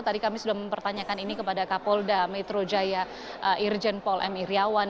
tadi kami sudah mempertanyakan ini kepada kapolda metro jaya irjen paul m iryawan